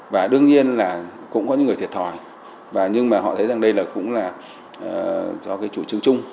và đương nhiên là cũng có những người thiệt thòi và nhưng mà họ thấy rằng đây là cũng là do cái chủ trương chung